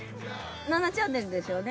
７チャンネルですよね。